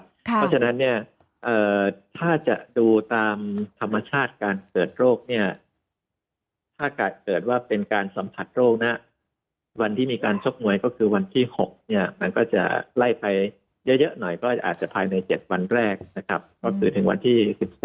เพราะฉะนั้นเนี่ยถ้าจะดูตามธรรมชาติการเกิดโรคเนี่ยถ้าเกิดว่าเป็นการสัมผัสโรคนะวันที่มีการชกมวยก็คือวันที่๖เนี่ยมันก็จะไล่ไปเยอะหน่อยก็อาจจะภายใน๗วันแรกนะครับก็คือถึงวันที่๑๓